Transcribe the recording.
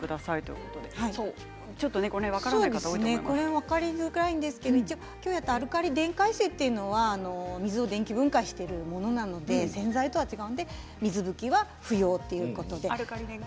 分かりづらいんですけど今日やったアルカリ電解水は水を電気分解しているものなので洗剤とは違うので水拭きは不要ということです。